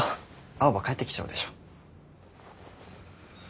青羽帰ってきちゃうでしょ。